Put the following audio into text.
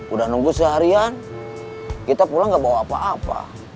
udah nunggu seharian kita pulang gak bawa apa apa